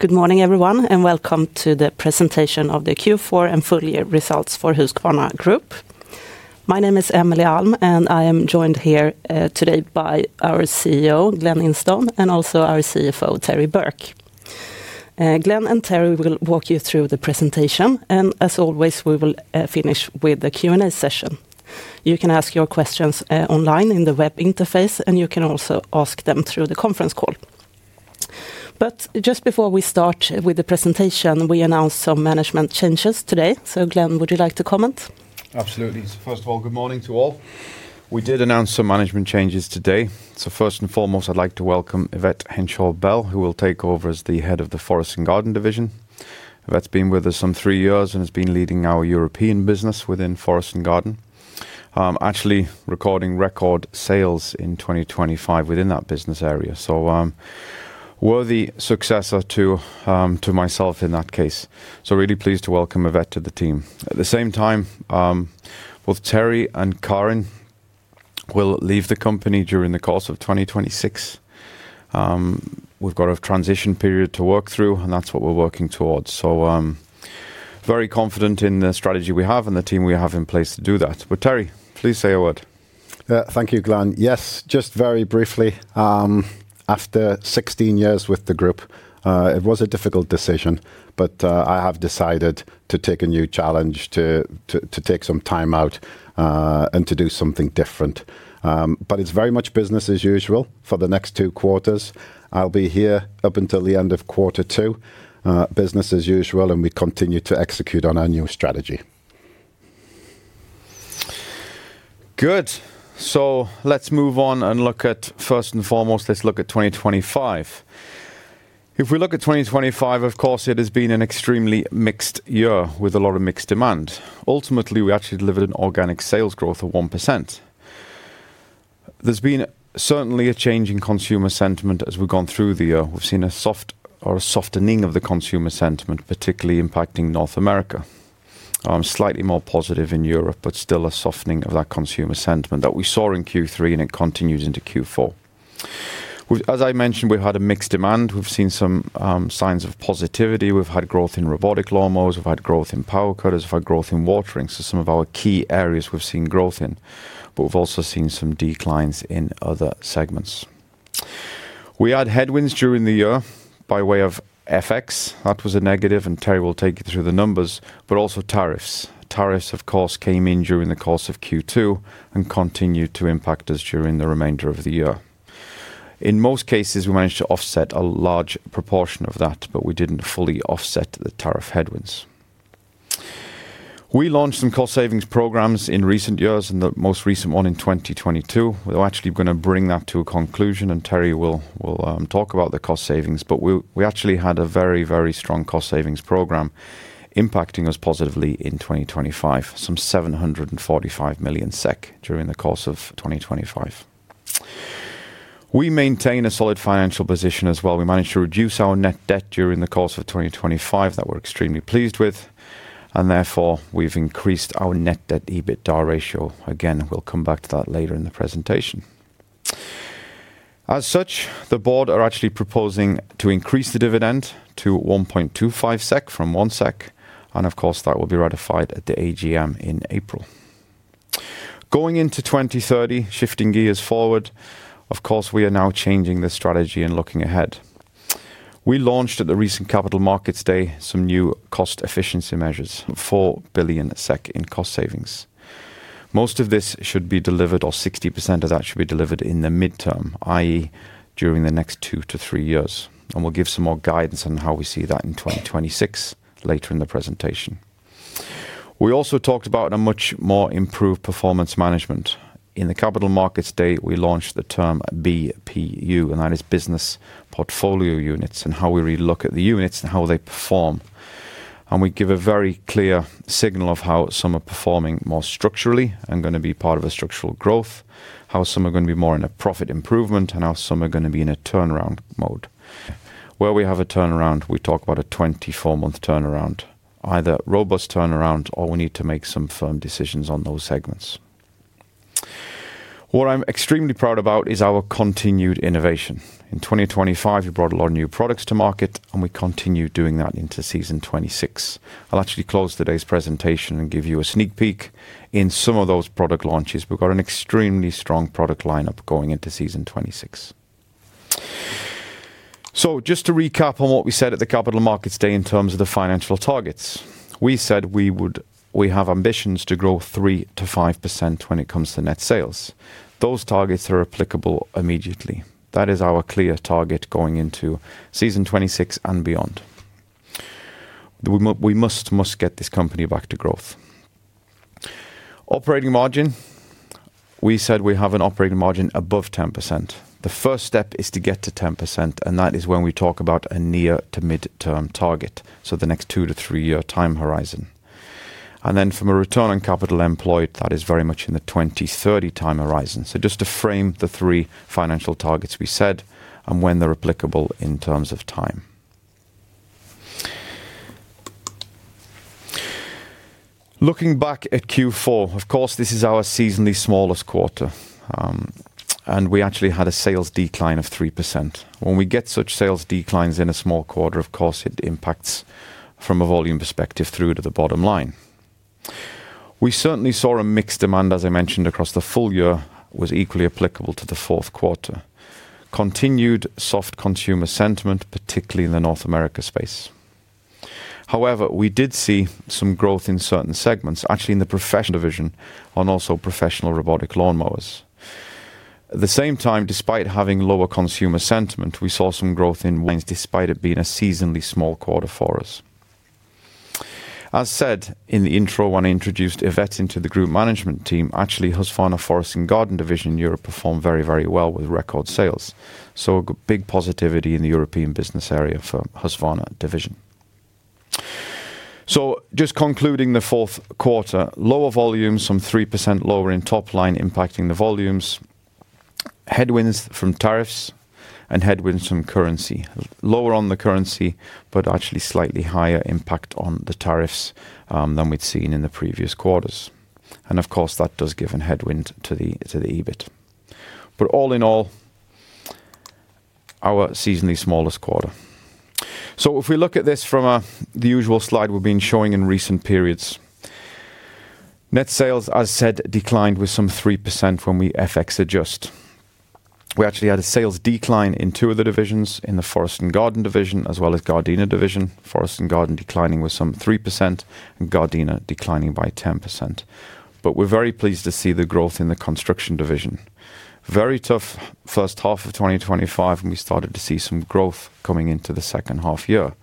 Good morning, everyone, and welcome to the presentation of the Q4 and Full Year Results for Husqvarna Group. My name is Emelie Alm, and I am joined here today by our CEO, Glen Instone, and also our CFO, Terry Burke. Glen and Terry will walk you through the presentation, and as always, we will finish with a Q&A session. You can ask your questions online in the web interface, and you can also ask them through the conference call. But just before we start with the presentation, we announce some management changes today. So Glen, would you like to comment? Absolutely. So first of all, good morning to all. We did announce some management changes today. So first and foremost, I'd like to welcome Yvette Henshall-Bell, who will take over as the head of the Forest and Garden division. Yvette's been with us some three years and has been leading our European business within Forest and Garden. Actually recording record sales in 2025 within that business area. So, worthy successor to myself in that case. So really pleased to welcome Yvette to the team. At the same time, both Terry and Karin will leave the company during the course of 2026. We've got a transition period to work through, and that's what we're working towards. So, very confident in the strategy we have and the team we have in place to do that. But, Terry, please say a word. Thank you, Glen. Yes, just very briefly, after 16 years with the group, it was a difficult decision, but I have decided to take a new challenge, to take some time out, and to do something different. But it's very much business as usual for the next two quarters. I'll be here up until the end of quarter two, business as usual, and we continue to execute on our new strategy. Good. So let's move on and look at... First and foremost, let's look at 2025. If we look at 2025, of course, it has been an extremely mixed year with a lot of mixed demand. Ultimately, we actually delivered an organic sales growth of 1%. There's been certainly a change in consumer sentiment as we've gone through the year. We've seen a soft or a softening of the consumer sentiment, particularly impacting North America. Slightly more positive in Europe, but still a softening of that consumer sentiment that we saw in Q3, and it continues into Q4. As I mentioned, we've had a mixed demand. We've seen some signs of positivity. We've had growth in robotic lawnmowers. We've had growth in power cutters. We've had growth in watering. So some of our key areas we've seen growth in, but we've also seen some declines in other segments. We had headwinds during the year by way of FX. That was a negative, and Terry will take you through the numbers, but also tariffs. Tariffs, of course, came in during the course of Q2 and continued to impact us during the remainder of the year. In most cases, we managed to offset a large proportion of that, but we didn't fully offset the tariff headwinds. We launched some cost savings programs in recent years, and the most recent one in 2022. We're actually gonna bring that to a conclusion, and Terry will talk about the cost savings, but we actually had a very, very strong cost savings program impacting us positively in 2025, 745 million SEK during the course of 2025. We maintain a solid financial position as well. We managed to reduce our net debt during the course of 2025, that we're extremely pleased with, and therefore, we've increased our net debt/EBITDA ratio. Again, we'll come back to that later in the presentation. As such, the board are actually proposing to increase the dividend to 1.25 SEK from 1 SEK, and of course, that will be ratified at the AGM in April. Going into 2030, shifting gears forward, of course, we are now changing the strategy and looking ahead. We launched at the recent Capital Markets Day some new cost efficiency measures, 4 billion SEK in cost savings. Most of this should be delivered, or 60% of that should be delivered in the midterm, i.e., during the next two to three years, and we'll give some more guidance on how we see that in 2026 later in the presentation. We also talked about a much more improved performance management. In the Capital Markets Day, we launched the term BPU, and that is Business Portfolio Units, and how we relook at the units and how they perform. We give a very clear signal of how some are performing more structurally and gonna be part of a structural growth, how some are gonna be more in a profit improvement, and how some are gonna be in a turnaround mode. Where we have a turnaround, we talk about a 24-month turnaround, either robust turnaround or we need to make some firm decisions on those segments. What I'm extremely proud about is our continued innovation. In 2025, we brought a lot of new products to market, and we continue doing that into season 2026. I'll actually close today's presentation and give you a sneak peek in some of those product launches. We've got an extremely strong product lineup going into season 2026. So just to recap on what we said at the Capital Markets Day in terms of the financial targets. We said we have ambitions to grow 3%-5% when it comes to net sales. Those targets are applicable immediately. That is our clear target going into season 2026 and beyond. We must, must get this company back to growth. Operating margin. We said we have an operating margin above 10%. The first step is to get to 10%, and that is when we talk about a near- to midterm target, so the next two to three year time horizon. And then from a return on capital employed, that is very much in the 2030 time horizon. So just to frame the three financial targets we said and when they're applicable in terms of time.... Looking back at Q4, of course, this is our seasonally smallest quarter, and we actually had a sales decline of 3%. When we get such sales declines in a small quarter, of course, it impacts from a volume perspective through to the bottom line. We certainly saw a mixed demand, as I mentioned, across the full year, was equally applicable to the fourth quarter. Continued soft consumer sentiment, particularly in the North America space. However, we did see some growth in certain segments, actually in the professional division and also professional robotic lawnmowers. At the same time, despite having lower consumer sentiment, we saw some growth in—despite it being a seasonally small quarter for us. As said in the intro, when I introduced Yvette into the group management team, actually, Husqvarna Forest and Garden division in Europe performed very, very well with record sales. So a big positivity in the European business area for Husqvarna division. So just concluding the fourth quarter, lower volumes, some 3% lower in top line, impacting the volumes, headwinds from tariffs and headwinds from currency. Lower on the currency, but actually slightly higher impact on the tariffs than we'd seen in the previous quarters. And of course, that does give a headwind to the, to the EBIT. But all in all, our seasonally smallest quarter. So if we look at this from the usual slide we've been showing in recent periods. Net sales, as said, declined with some 3% when we FX adjust. We actually had a sales decline in two of the divisions, in the Forest and Garden division, as well as Gardena division. Forest and Garden declining with some 3%, and Gardena declining by 10%. But we're very pleased to see the growth in the Construction division. Very tough first half of 2025, and we started to see some growth coming into the second half year.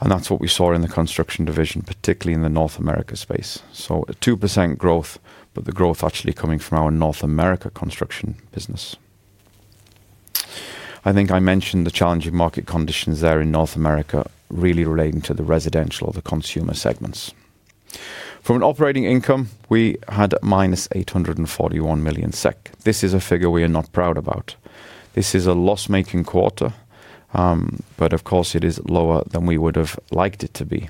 And that's what we saw in the Construction division, particularly in the North America space. So a 2% growth, but the growth actually coming from our North America construction business. I think I mentioned the challenging market conditions there in North America, really relating to the residential or the consumer segments. From an operating income, we had -841 million SEK. This is a figure we are not proud about. This is a loss-making quarter, but of course, it is lower than we would have liked it to be.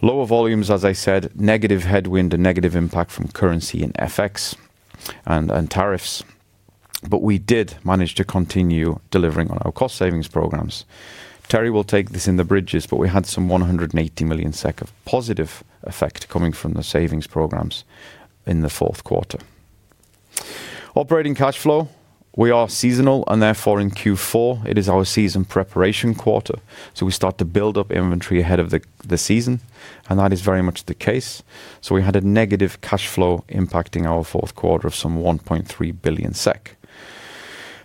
Lower volumes, as I said, negative headwind and negative impact from currency in FX and tariffs, but we did manage to continue delivering on our cost savings programs. Terry will take this in the bridges, but we had some 180 million SEK of positive effect coming from the savings programs in the fourth quarter. Operating cash flow, we are seasonal, and therefore, in Q4, it is our season preparation quarter. So we start to build up inventory ahead of the season, and that is very much the case. So we had a negative cash flow impacting our fourth quarter of some 1.3 billion SEK.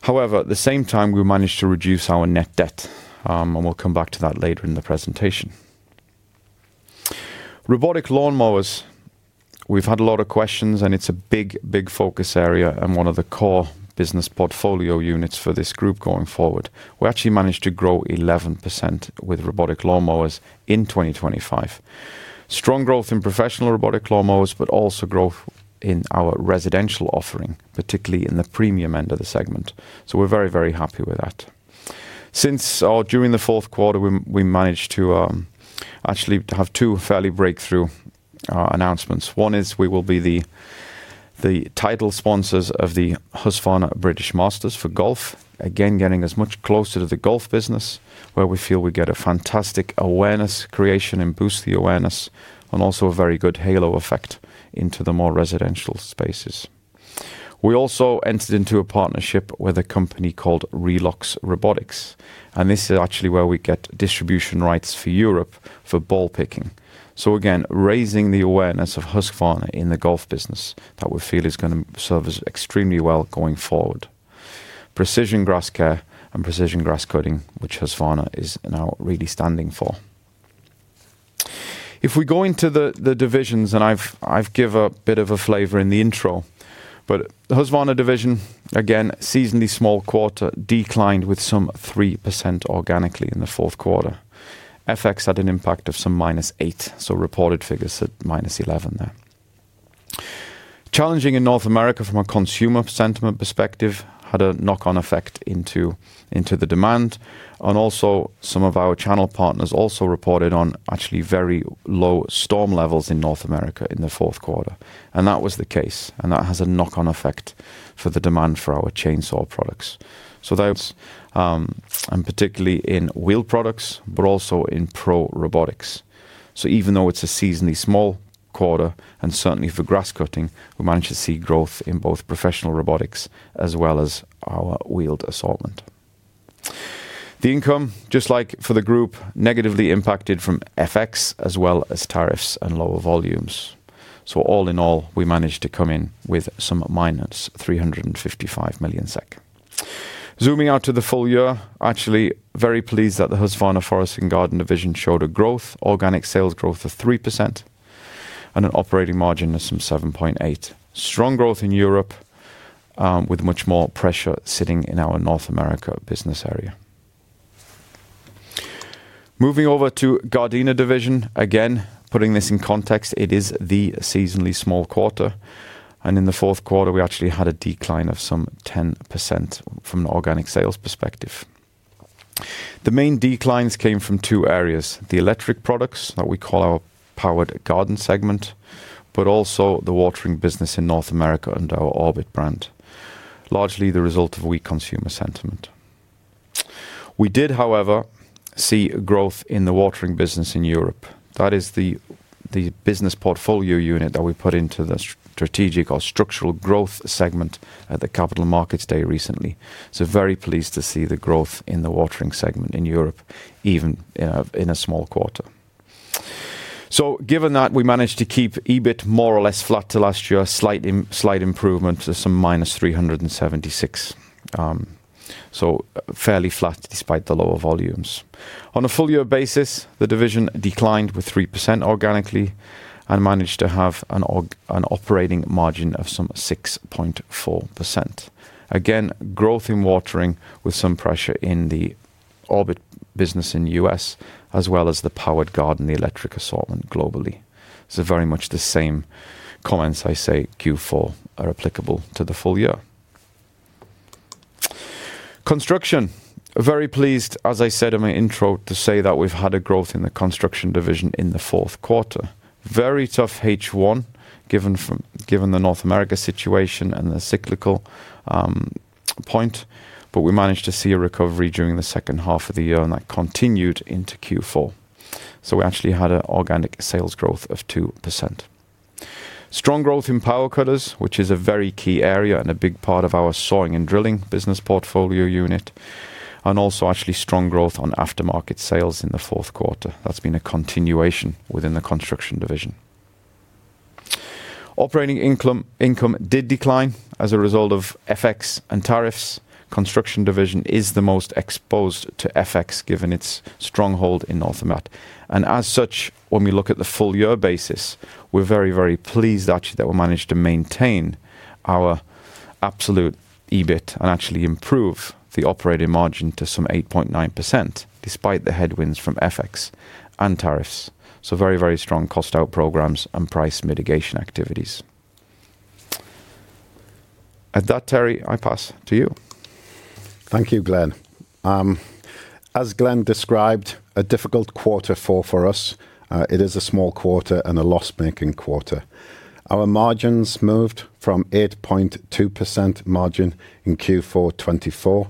However, at the same time, we managed to reduce our net debt, and we'll come back to that later in the presentation. Robotic lawnmowers, we've had a lot of questions, and it's a big, big focus area and one of the core business portfolio units for this group going forward. We actually managed to grow 11% with robotic lawnmowers in 2025. Strong growth in professional robotic lawnmowers, but also growth in our residential offering, particularly in the premium end of the segment. So we're very, very happy with that. Since or during the fourth quarter, we managed to actually to have two fairly breakthrough announcements. One is we will be the title sponsors of the Husqvarna British Masters for Golf. Again, getting us much closer to the golf business, where we feel we get a fantastic awareness, creation, and boost the awareness, and also a very good halo effect into the more residential spaces. We also entered into a partnership with a company called Relox Robotics, and this is actually where we get distribution rights for Europe for ball picking. So again, raising the awareness of Husqvarna in the golf business, that we feel is gonna serve us extremely well going forward. Precision grass care and precision grass cutting, which Husqvarna is now really standing for. If we go into the divisions, and I've given a bit of a flavor in the intro, but the Husqvarna division, again, seasonally small quarter, declined with some 3% organically in the fourth quarter. FX had an impact of some -8%, so reported figures at -11% there. Challenging in North America from a consumer sentiment perspective, had a knock-on effect into, into the demand, and also some of our channel partners also reported on actually very low storm levels in North America in the fourth quarter. And that was the case, and that has a knock-on effect for the demand for our chainsaw products. So that's, and particularly in wheel products, but also in pro robotics. So even though it's a seasonally small quarter, and certainly for grass cutting, we managed to see growth in both professional robotics as well as our wheeled assortment. The income, just like for the group, negatively impacted from FX as well as tariffs and lower volumes. So all in all, we managed to come in with some -355 million SEK. Zooming out to the full year, actually very pleased that the Husqvarna Forest and Garden division showed a growth, organic sales growth of 3% and an operating margin of some 7.8%. Strong growth in Europe, with much more pressure sitting in our North America business area. Moving over to Gardena division, again, putting this in context, it is the seasonally small quarter, and in the fourth quarter, we actually had a decline of some 10% from an organic sales perspective. The main declines came from two areas: the electric products that we call our Powered Garden segment, but also the watering business in North America and our Orbit brand, largely the result of weak consumer sentiment. We did, however, see growth in the watering business in Europe. That is the business portfolio unit that we put into the strategic or structural growth segment at the Capital Markets Day recently. So very pleased to see the growth in the watering segment in Europe, even in a small quarter. So given that, we managed to keep EBIT more or less flat to last year, slight improvement to some -376, so fairly flat despite the lower volumes. On a full year basis, the division declined with 3% organically and managed to have an operating margin of some 6.4%. Again, growth in watering, with some pressure in the Orbit business in the US, as well as the Powered Garden, the electric assortment globally. So very much the same comments I say Q4 are applicable to the full year. Construction. Very pleased, as I said in my intro, to say that we've had a growth in the Construction division in the fourth quarter. Very tough H1, given the North America situation and the cyclical point, but we managed to see a recovery during the second half of the year, and that continued into Q4. We actually had an organic sales growth of 2%. Strong growth in power cutters, which is a very key area and a big part of our sawing and drilling business portfolio unit, and also actually strong growth on aftermarket sales in the fourth quarter. That's been a continuation within the Construction division. Operating income, income did decline as a result of FX and tariffs. Construction division is the most exposed to FX, given its stronghold in North America. As such, when we look at the full year basis, we're very, very pleased actually, that we managed to maintain our absolute EBIT and actually improve the operating margin to some 8.9%, despite the headwinds from FX and tariffs. So very, very strong cost out programs and price mitigation activities. At that, Terry, I pass to you. Thank you, Glen. As Glen described, a difficult quarter four for us. It is a small quarter and a loss-making quarter. Our margins moved from 8.2% margin in Q4 2024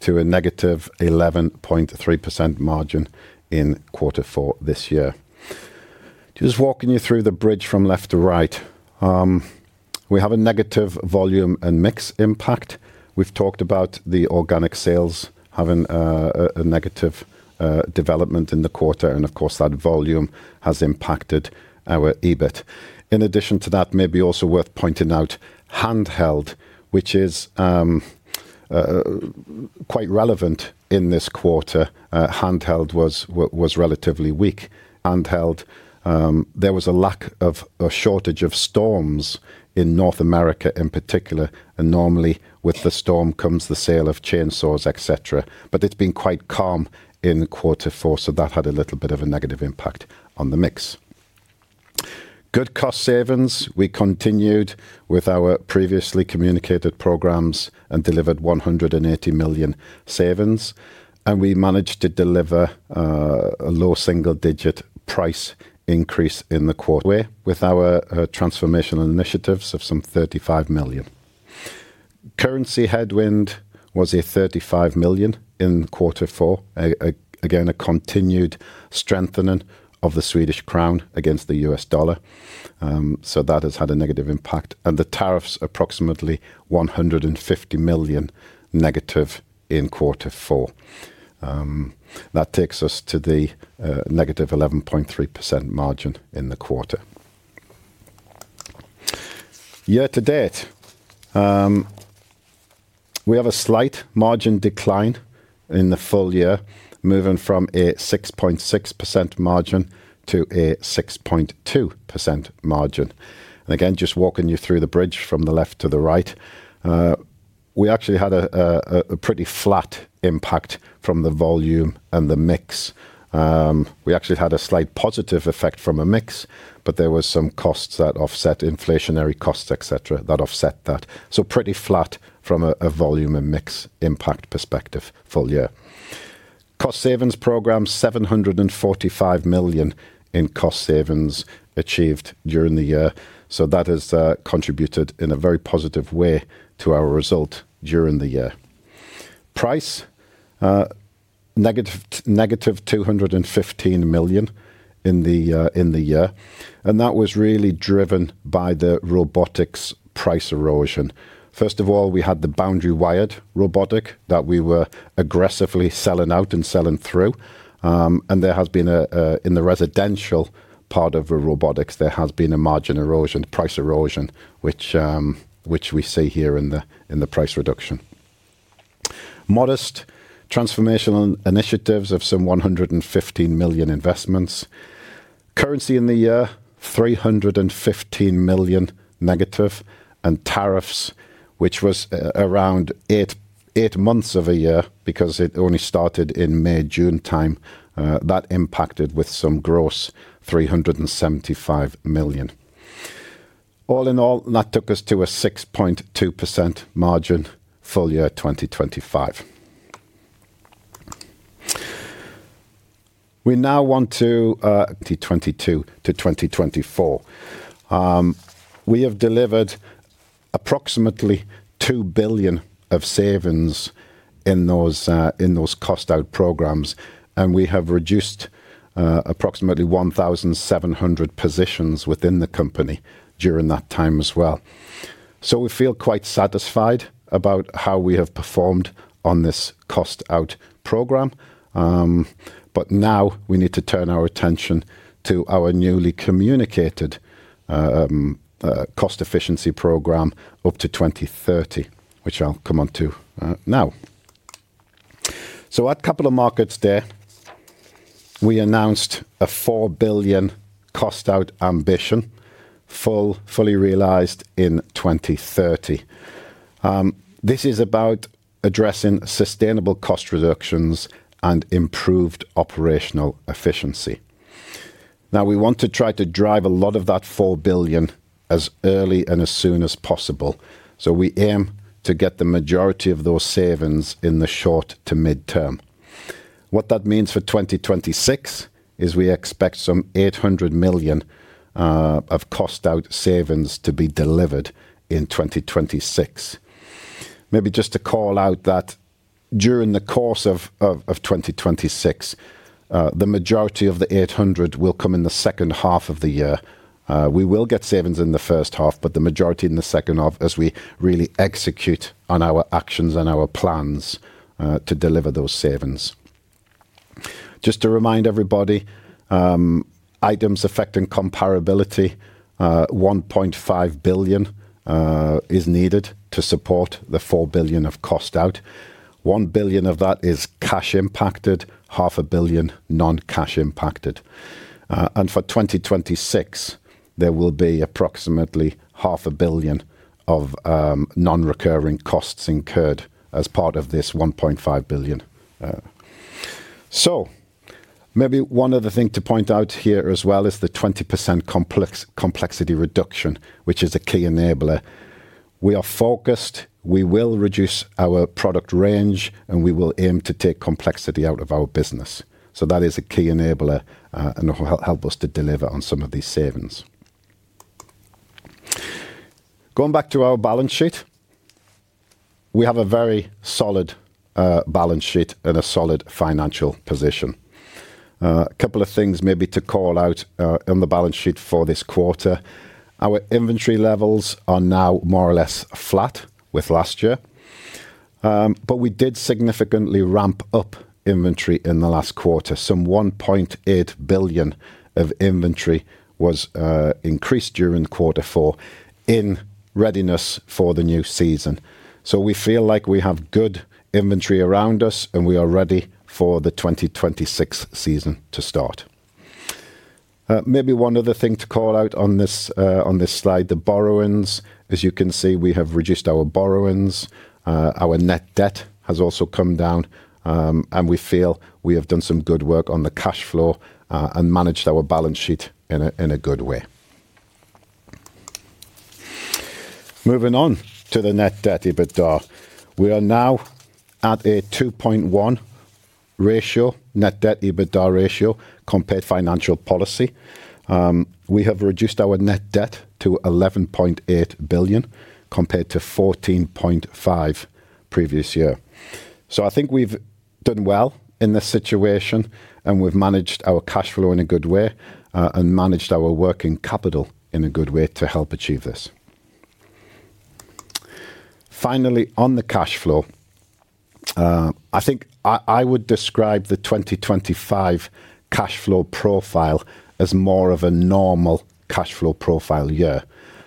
to a negative 11.3% margin in quarter four this year. Just walking you through the bridge from left to right, we have a negative volume and mix impact. We've talked about the organic sales having a negative development in the quarter, and of course, that volume has impacted our EBIT. In addition to that, maybe also worth pointing out, handheld, which is quite relevant in this quarter. Handheld was relatively weak. Handheld, there was a shortage of storms in North America in particular, and normally, with the storm comes the sale of chainsaws, et cetera. But it's been quite calm in quarter four, so that had a little bit of a negative impact on the mix. Good cost savings. We continued with our previously communicated programs and delivered 180 million savings, and we managed to deliver a low single-digit price increase in the quarter with our transformational initiatives of some 35 million. Currency headwind was 35 million in quarter four. Again, a continued strengthening of the Swedish crown against the US dollar, so that has had a negative impact. And the tariffs, approximately 150 million negative in quarter four. That takes us to the negative 11.3% margin in the quarter. Year to date, we have a slight margin decline in the full year, moving from a 6.6% margin to a 6.2% margin. Again, just walking you through the bridge from the left to the right, we actually had a pretty flat impact from the volume and the mix. We actually had a slight positive effect from a mix, but there were some costs that offset, inflationary costs, et cetera, that offset that. So pretty flat from a volume and mix impact perspective, full year. Cost savings program, 745 million in cost savings achieved during the year. So that has contributed in a very positive way to our result during the year. Price negative 215 million in the year, and that was really driven by the robotics price erosion. First of all, we had the boundary wired robotic that we were aggressively selling out and selling through. And there has been a in the residential part of the robotics, there has been a margin erosion, price erosion, which, which we see here in the price reduction. Modest transformational initiatives of some 115 million investments. Currency in the year negative 315 million, and tariffs, which was around eight months of a year because it only started in May, June time, that impacted with some gross 375 million. All in all, that took us to a 6.2% margin, full year 2025. We now want to 2022 to 2024. We have delivered approximately 2 billion of savings in those cost out programs, and we have reduced approximately 1,700 positions within the company during that time as well. So we feel quite satisfied about how we have performed on this cost out program. But now we need to turn our attention to our newly communicated cost efficiency program up to 2030, which I'll come on to now. So at Capital Markets Day, we announced a 4 billion cost out ambition, fully realized in 2030. This is about addressing sustainable cost reductions and improved operational efficiency. Now, we want to try to drive a lot of that 4 billion as early and as soon as possible, so we aim to get the majority of those savings in the short to mid-term. What that means for 2026 is we expect some 800 million of cost out savings to be delivered in 2026. Maybe just to call out that during the course of 2026, the majority of the 800 million will come in the second half of the year. We will get savings in the first half, but the majority in the second half as we really execute on our actions and our plans to deliver those savings. Just to remind everybody, items affecting comparability, 1.5 billion, is needed to support the 4 billion of cost out. 1 billion of that is cash impacted, 0.5 billion non-cash impacted. For 2026, there will be approximately 0.5 billion of non-recurring costs incurred as part of this 1.5 billion. Maybe one other thing to point out here as well is the 20% complexity reduction, which is a key enabler. We are focused. We will reduce our product range, and we will aim to take complexity out of our business. That is a key enabler, and it will help us to deliver on some of these savings. Going back to our balance sheet, we have a very solid balance sheet and a solid financial position. A couple of things maybe to call out on the balance sheet for this quarter. Our inventory levels are now more or less flat with last year. But we did significantly ramp up inventory in the last quarter. 1.8 billion of inventory was increased during quarter four in readiness for the new season. So we feel like we have good inventory around us, and we are ready for the 2026 season to start. Maybe one other thing to call out on this, on this slide, the borrowings. As you can see, we have reduced our borrowings. Our net debt has also come down, and we feel we have done some good work on the cash flow, and managed our balance sheet in a good way. Moving on to the net debt/EBITDA. We are now at a 2.1 ratio, net debt/EBITDA ratio compared financial policy. We have reduced our net debt to 11.8 billion compared to 14.5 billion previous year. So I think we've done well in this situation, and we've managed our cash flow in a good way, and managed our working capital in a good way to help achieve this. Finally, on the cash flow, I think I, I would describe the 2025 cash flow profile as more of a normal cash flow profile year.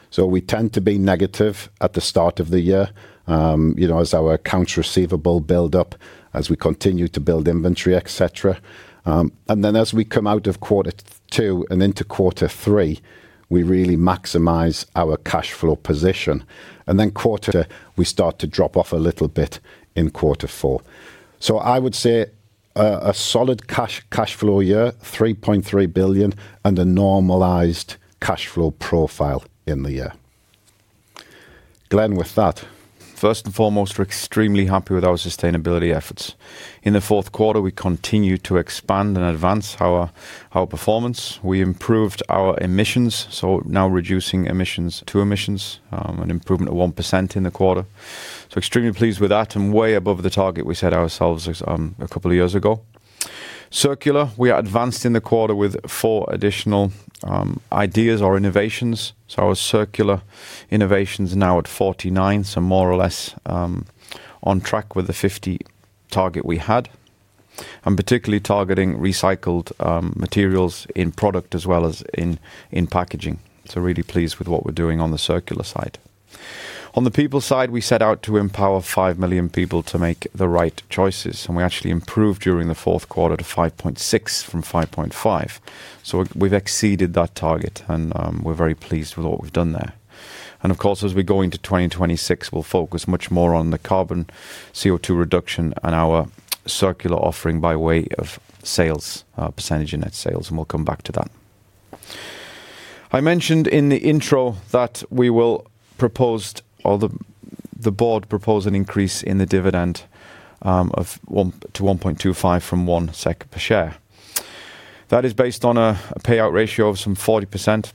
So we tend to be negative at the start of the year, you know, as our accounts receivable build up, as we continue to build inventory, et cetera. And then as we come out of quarter two and into quarter three, we really maximize our cash flow position. And then we start to drop off a little bit in quarter four. I would say a solid cash flow year, 3.3 billion, and a normalized cash flow profile in the year. Glen, with that? First and foremost, we're extremely happy with our sustainability efforts. In the fourth quarter, we continued to expand and advance our performance. We improved our emissions, so now reducing emissions to emissions, an improvement of 1% in the quarter. So extremely pleased with that, and way above the target we set ourselves, a couple of years ago. Circular, we advanced in the quarter with four additional ideas or innovations. So our circular innovation's now at 49, so more or less on track with the 50 target we had, and particularly targeting recycled materials in product as well as in packaging. So really pleased with what we're doing on the circular side. On the people side, we set out to empower 5 million people to make the right choices, and we actually improved during the fourth quarter to 5.6 from 5.5. So we've exceeded that target and we're very pleased with what we've done there. Of course, as we go into 2026, we'll focus much more on the carbon CO2 reduction and our circular offering by way of sales percentage in net sales, and we'll come back to that. I mentioned in the intro that we will propose or the board propose an increase in the dividend of 1 to 1.25 from 1 SEK per share. That is based on a payout ratio of some 40%,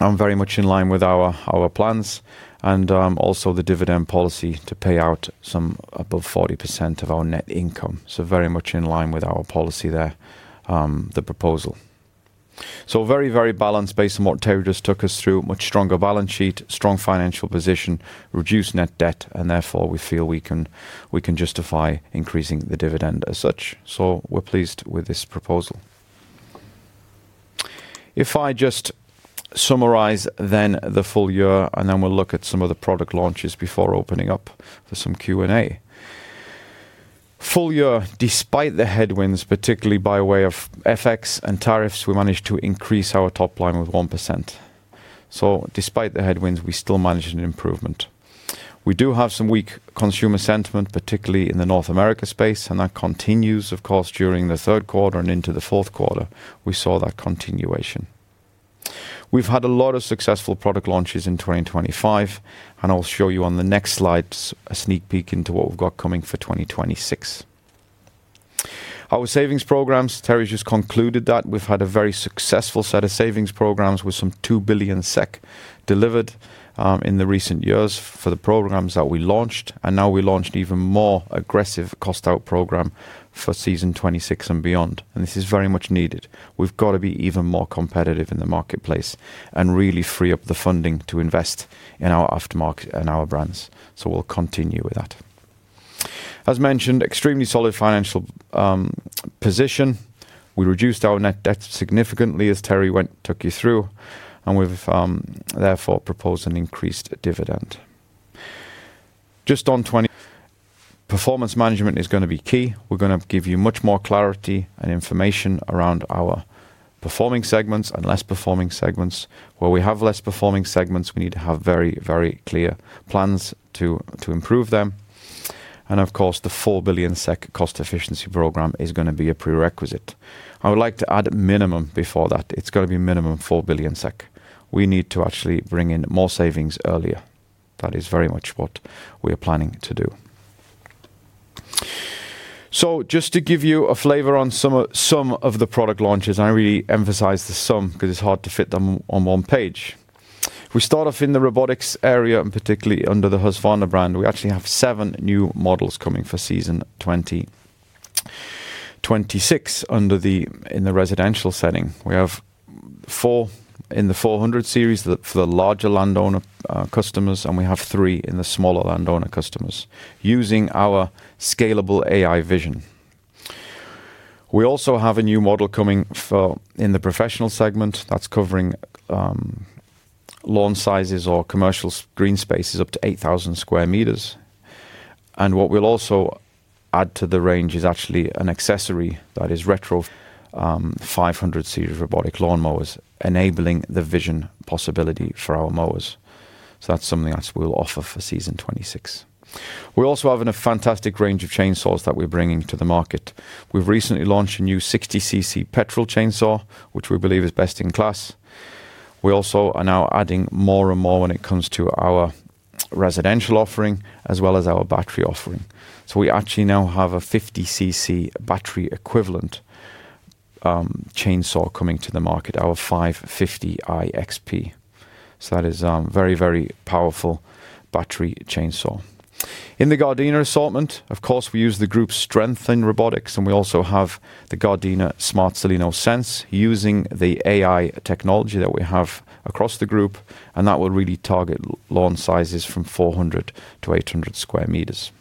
very much in line with our plans and also the dividend policy to pay out some above 40% of our net income. So very much in line with our policy there, the proposal. So very, very balanced based on what Terry just took us through. Much stronger balance sheet, strong financial position, reduced net debt, and therefore we feel we can justify increasing the dividend as such. So we're pleased with this proposal. If I just summarize then the full year, and then we'll look at some of the product launches before opening up for some Q&A. Full year, despite the headwinds, particularly by way of FX and tariffs, we managed to increase our top line with 1%. So despite the headwinds, we still managed an improvement. We do have some weak consumer sentiment, particularly in the North America space, and that continues, of course, during the third quarter and into the fourth quarter. We saw that continuation. We've had a lot of successful product launches in 2025, and I'll show you on the next slide's a sneak peek into what we've got coming for 2026. Our savings programs, Terry just concluded that. We've had a very successful set of savings programs, with some 2 billion SEK delivered in the recent years for the programs that we launched, and now we launched even more aggressive cost-out program for season 2026 and beyond, and this is very much needed. We've got to be even more competitive in the marketplace and really free up the funding to invest in our aftermarket and our brands. So we'll continue with that. As mentioned, extremely solid financial position. We reduced our net debt significantly, as Terry took you through, and we've therefore proposed an increased dividend. Performance management is gonna be key. We're gonna give you much more clarity and information around our performing segments and less performing segments. Where we have less performing segments, we need to have very, very clear plans to improve them, and of course, the 4 billion SEK cost efficiency program is gonna be a prerequisite. I would like to add a minimum before that. It's got to be a minimum of 4 billion SEK. We need to actually bring in more savings earlier. That is very much what we are planning to do. So just to give you a flavor on some of, some of the product launches, and I really emphasize the some, 'cause it's hard to fit them on one page. We start off in the robotics area, and particularly under the Husqvarna brand. We actually have seven new models coming for season 2026 under the-- in the residential setting. We have four in the 400 series, the, for the larger landowner, customers, and we have three in the smaller landowner customers using our scalable AI vision. We also have a new model coming for-- in the professional segment that's covering, lawn sizes or commercial green spaces up to 8,000 square meters. And what we'll also add to the range is actually an accessory that is retrofit, 500 series robotic lawn mowers, enabling the vision possibility for our mowers. So that's something else we'll offer for season 26. We're also having a fantastic range of chainsaws that we're bringing to the market. We've recently launched a new 60 cc petrol chainsaw, which we believe is best in class. We also are now adding more and more when it comes to our residential offering, as well as our battery offering. So we actually now have a 50 cc battery equivalent, chainsaw coming to the market, our 550i XP. So that is a very, very powerful battery chainsaw. In the Gardena assortment, of course, we use the group's strength in robotics, and we also have the Gardena smart SILENO sense, using the AI technology that we have across the group, and that will really target lawn sizes from 400-800 square meters.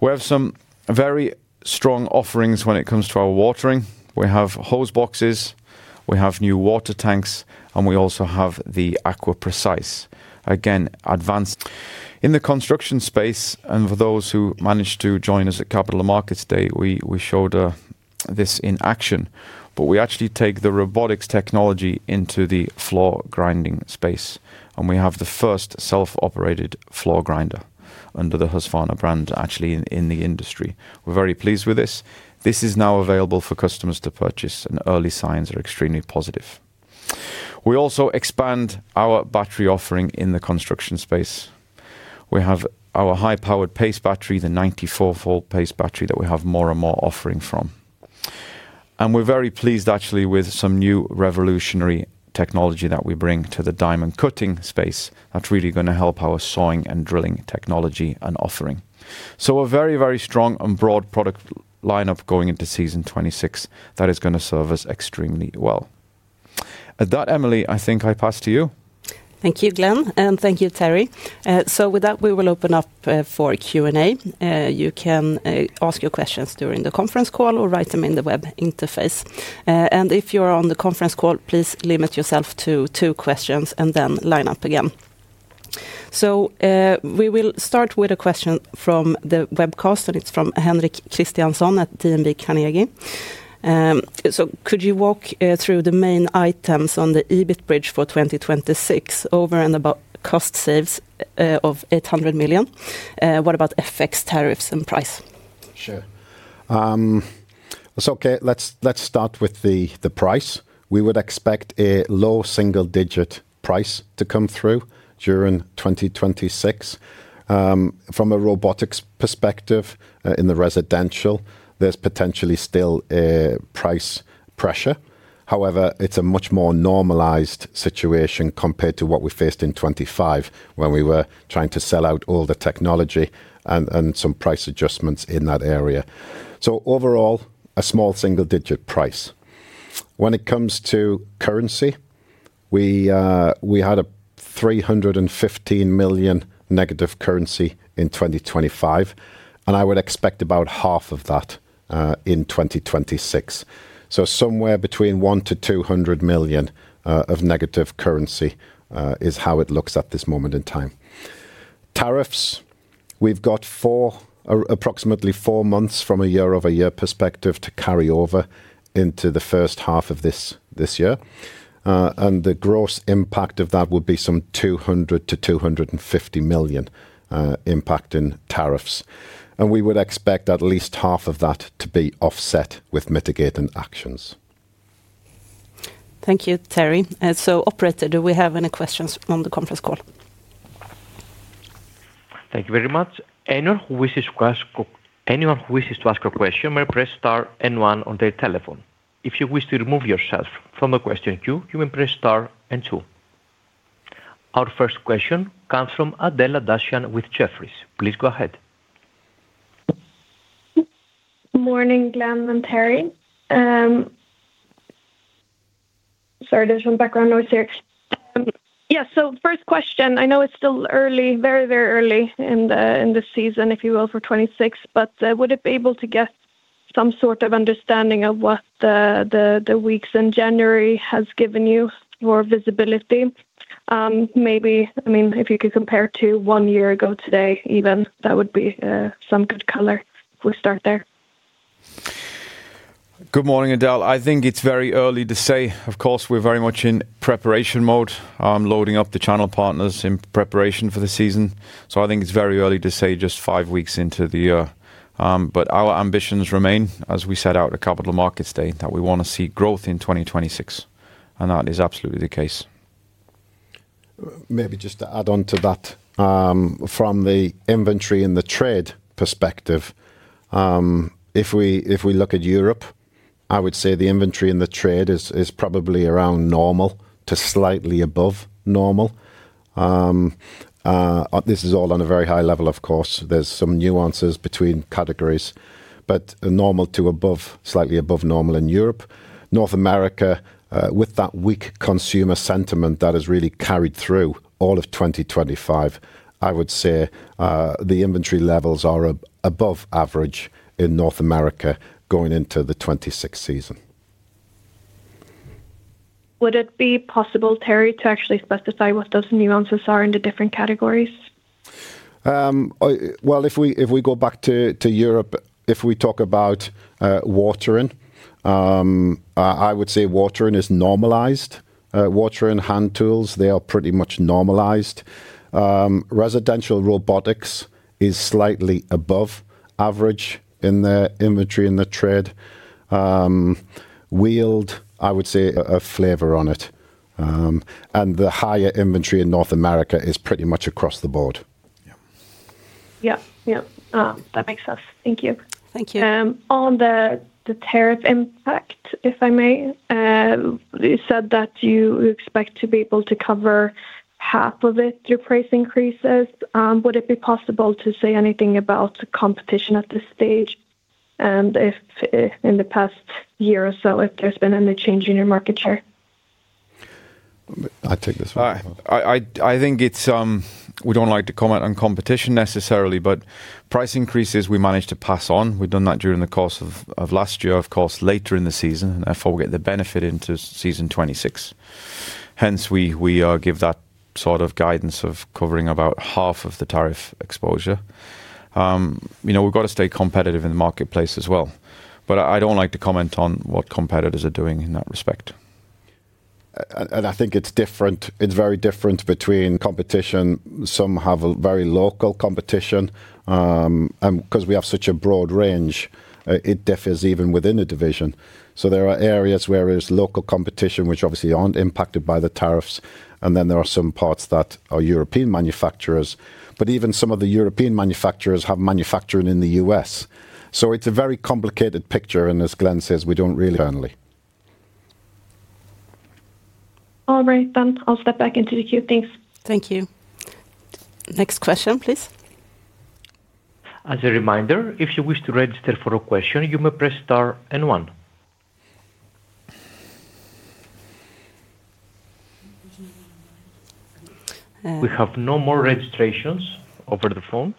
We have some very strong offerings when it comes to our watering. We have hose boxes, we have new water tanks, and we also have the AquaPrecise. Again, advanced... In the construction space, and for those who managed to join us at Capital Markets Day, we, we showed, this in action, but we actually take the robotics technology into the floor grinding space, and we have the first self-operated floor grinder under the Husqvarna brand, actually in, in the industry. We're very pleased with this. This is now available for customers to purchase, and early signs are extremely positive. We also expand our battery offering in the construction space. We have our high-powered PACE battery, the 94-volt PACE battery that we have more and more offering from. And we're very pleased, actually, with some new revolutionary technology that we bring to the diamond cutting space. That's really gonna help our sawing and drilling technology and offering. So a very, very strong and broad product lineup going into season 26. That is gonna serve us extremely well. At that, Emily, I think I pass to you. Thank you, Glen, and thank you, Terry. With that, we will open up for Q&A. You can ask your questions during the conference call or write them in the web interface. And if you're on the conference call, please limit yourself to two questions and then line up again. We will start with a question from the webcast, and it's from Henrik Christiansson at DNB Markets. Could you walk through the main items on the EBIT bridge for 2026 over and above cost saves of 800 million? What about FX tariffs and price? Sure. So, okay, let's start with the price. We would expect a low single-digit price to come through during 2026. From a robotics perspective, in the residential, there's potentially still a price pressure. However, it's a much more normalized situation compared to what we faced in 2025, when we were trying to sell out all the technology and some price adjustments in that area. So overall, a small single-digit price. When it comes to currency, we had a 315 million negative currency in 2025, and I would expect about half of that in 2026. So somewhere between 100 million-200 million of negative currency is how it looks at this moment in time. Tariffs, we've got four, approximately four months from a year-over-year perspective to carry over into the first half of this, this year. And the gross impact of that would be some 200 million-250 million impact in tariffs, and we would expect at least half of that to be offset with mitigating actions. Thank you, Terry. And so, operator, do we have any questions on the conference call? Thank you very much. Anyone who wishes to ask a question may press star and one on their telephone. If you wish to remove yourself from the question queue, you may press star and two. Our first question comes from Adela Dashian with Jefferies. Please go ahead. Morning, Glen and Terry. Sorry, there's some background noise here. Yeah, so first question. I know it's still early, very, very early in the season, if you will, for 2026, but would it be able to get some sort of understanding of what the weeks in January has given you more visibility? Maybe, I mean, if you could compare to one year ago today, even, that would be some good color. We'll start there. Good morning, Adela. I think it's very early to say. Of course, we're very much in preparation mode, loading up the channel partners in preparation for the season. I think it's very early to say just five weeks into the year. But our ambitions remain, as we set out in the Capital Markets Day, that we want to see growth in 2026, and that is absolutely the case. Maybe just to add on to that, from the inventory and the trade perspective, if we, if we look at Europe, I would say the inventory and the trade is, is probably around normal to slightly above normal. This is all on a very high level, of course. There's some nuances between categories, but normal to above, slightly above normal in Europe. North America, with that weak consumer sentiment that has really carried through all of 2025, I would say, the inventory levels are above average in North America going into the 2026 season. Would it be possible, Terry, to actually specify what those nuances are in the different categories? Well, if we go back to Europe, if we talk about watering, I would say watering is normalized. Watering hand tools, they are pretty much normalized. Residential robotics is slightly above average in the inventory and the trade. Wheeled, I would say, a flavor on it. And the higher inventory in North America is pretty much across the board. Yeah. Yeah. Yeah, that makes sense. Thank you. Thank you. On the tariff impact, if I may, you said that you expect to be able to cover half of it through price increases. Would it be possible to say anything about the competition at this stage, and if, in the past year or so, if there's been any change in your market share? I'll take this one. I think it's. We don't like to comment on competition necessarily, but price increases we managed to pass on. We've done that during the course of last year, of course, later in the season, and therefore get the benefit into season 2026. Hence, we give that sort of guidance of covering about half of the tariff exposure. You know, we've got to stay competitive in the marketplace as well, but I don't like to comment on what competitors are doing in that respect. And I think it's different, it's very different between competition. Some have a very local competition, and because we have such a broad range, it differs even within a division. So there are areas where there's local competition, which obviously aren't impacted by the tariffs, and then there are some parts that are European manufacturers. But even some of the European manufacturers have manufacturing in the U.S. So it's a very complicated picture, and as Glen says, we don't really- All right. Then I'll step back into the queue. Thanks. Thank you. Next question, please. As a reminder, if you wish to register for a question, you may press star and one. We have no more registrations over the phone....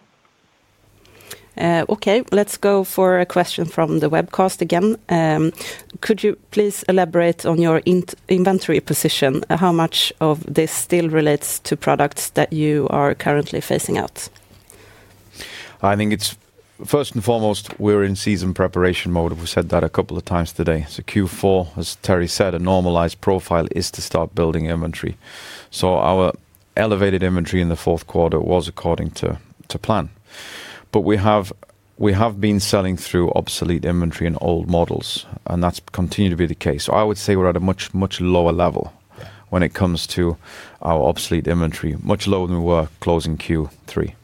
Okay, let's go for a question from the webcast again. Could you please elaborate on your inventory position? How much of this still relates to products that you are currently phasing out? I think it's first and foremost, we're in season preparation mode. We've said that a couple of times today. So Q4, as Terry said, a normalized profile is to start building inventory. So our elevated inventory in the fourth quarter was according to, to plan. But we have been selling through obsolete inventory and old models, and that's continued to be the case. So I would say we're at a much, much lower level when it comes to our obsolete inventory. Much lower than we were closing Q3.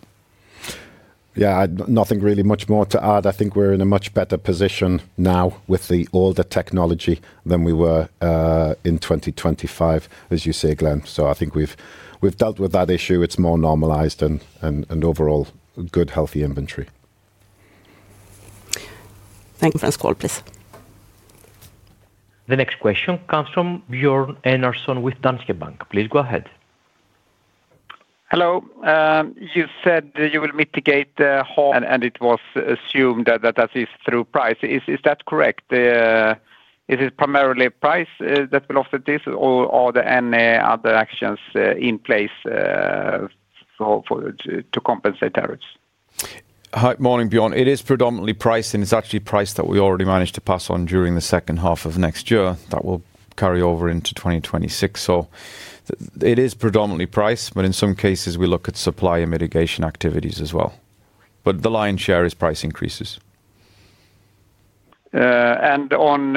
Yeah, nothing really much more to add. I think we're in a much better position now with the older technology than we were in 2025, as you say, Glen. So I think we've dealt with that issue. It's more normalized and overall, good, healthy inventory. Thank you. Next call, please. The next question comes from Björn Enarson with Danske Bank. Please go ahead. Hello. You said that you will mitigate, and it was assumed that that is through price. Is that correct? Is it primarily price that will offer this or are there any other actions in place so for to compensate tariffs? Hi. Morning, Björn. It is predominantly price, and it's actually price that we already managed to pass on during the second half of next year. That will carry over into 2026. So it is predominantly price, but in some cases we look at supply and mitigation activities as well. But the lion's share is price increases. And on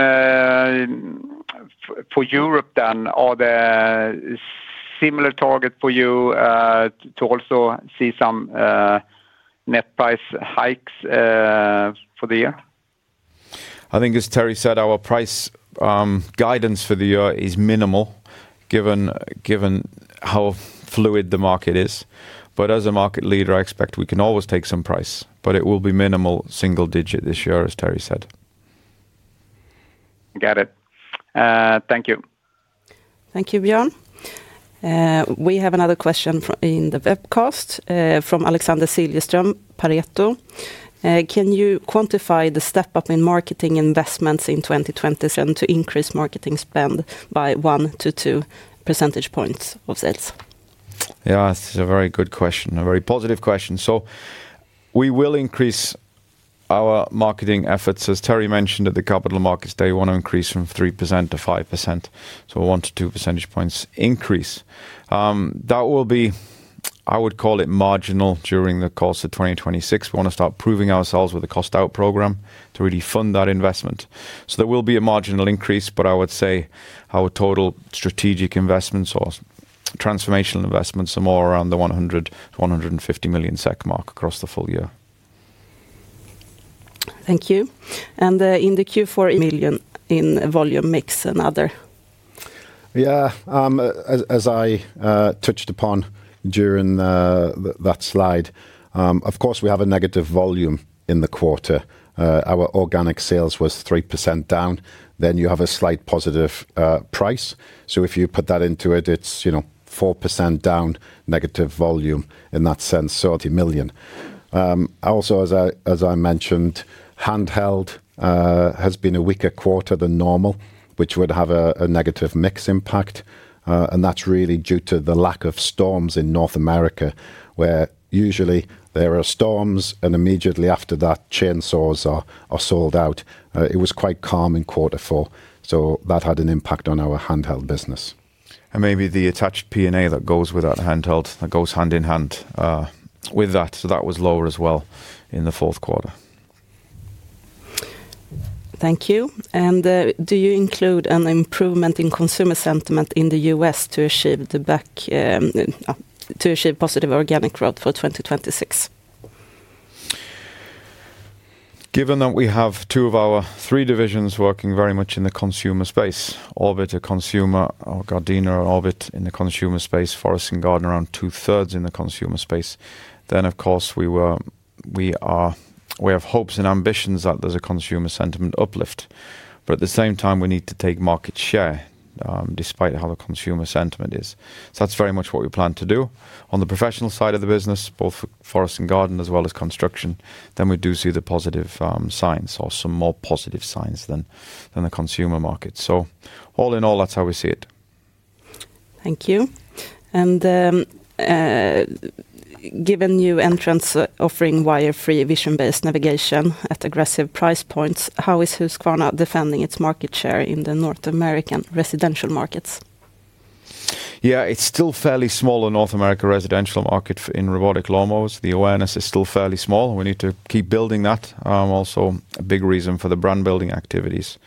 for Europe, then, are there similar target for you to also see some net price hikes for the year? I think as Terry said, our price guidance for the year is minimal, given how fluid the market is. But as a market leader, I expect we can always take some price, but it will be minimal single digit this year, as Terry said. Got it. Thank you. Thank you, Björn. We have another question from in the webcast from Alexander Siljeström, Pareto. Can you quantify the step-up in marketing investments in 2027 to increase marketing spend by 1-2 percentage points of sales? Yeah, it's a very good question, a very positive question. So we will increase our marketing efforts. As Terry mentioned at the capital markets, they want to increase from 3%-5%, so one to two percentage points increase. That will be, I would call it, marginal during the course of 2026. We wanna start proving ourselves with a cost out program to really fund that investment. So there will be a marginal increase, but I would say our total strategic investments or transformational investments are more around the 100 million-150 million SEK mark across the full year. Thank you. And, in the Q4... million in volume mix and other. Yeah. As, as I touched upon during that slide, of course, we have a negative volume in the quarter. Our organic sales was 3% down. Then you have a slight positive price. So if you put that into it, it's, you know, 4% down, negative volume, in that sense, 30 million. Also, as I mentioned, handheld has been a weaker quarter than normal, which would have a negative mix impact, and that's really due to the lack of storms in North America, where usually there are storms, and immediately after that, chainsaws are sold out. It was quite calm in quarter four, so that had an impact on our handheld business. Maybe the attached P&A that goes with that handheld, that goes hand in hand, with that. That was lower as well in the fourth quarter. Thank you. And, do you include an improvement in consumer sentiment in the US to achieve positive organic growth for 2026? Given that we have two of our three divisions working very much in the consumer space, Orbit, a consumer, or Gardena, Orbit in the consumer space, Forest and Garden, around two-thirds in the consumer space, then, of course, we have hopes and ambitions that there's a consumer sentiment uplift. But at the same time, we need to take market share, despite how the consumer sentiment is. So that's very much what we plan to do. On the professional side of the business, both Forest and Garden, as well as Construction, then we do see the positive signs or some more positive signs than the consumer market. So all in all, that's how we see it. Thank you. And, given new entrants offering wire-free vision-based navigation at aggressive price points, how is Husqvarna defending its market share in the North American residential markets? Yeah, it's still fairly small in North America residential market in robotic mowers. The awareness is still fairly small. We need to keep building that, also a big reason for the brand-building activities.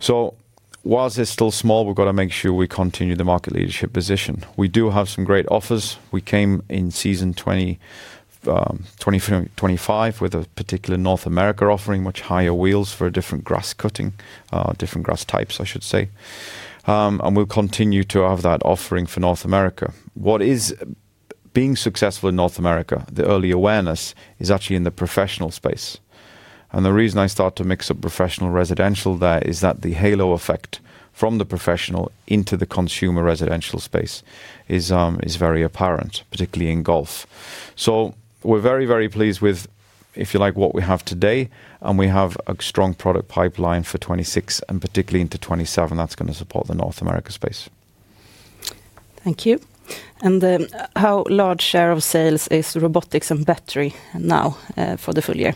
So while it's still small, we've got to make sure we continue the market leadership position. We do have some great offers. We came in season 2024, 2025 with a particular North America offering much higher wheels for a different grass cutting, different grass types, I should say. And we'll continue to have that offering for North America. Being successful in North America, the early awareness is actually in the professional space. And the reason I start to mix up professional, residential there, is that the halo effect from the professional into the consumer residential space is very apparent, particularly in golf. So we're very, very pleased with, if you like, what we have today, and we have a strong product pipeline for 2026 and particularly into 2027, that's gonna support the North America space. Thank you. And, how large share of sales is robotics and battery now, for the full year?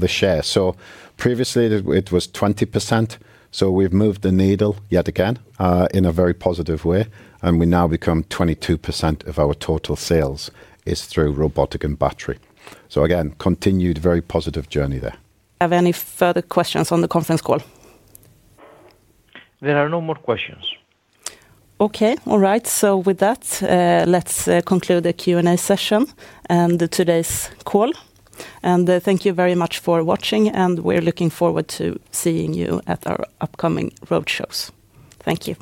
The share. So previously, it was 20%, so we've moved the needle yet again, in a very positive way, and we now become 22% of our total sales is through robotic and battery. So again, continued very positive journey there.... Have any further questions on the conference call? There are no more questions. Okay. All right. So with that, let's conclude the Q&A session and today's call. And, thank you very much for watching, and we're looking forward to seeing you at our upcoming roadshows. Thank you.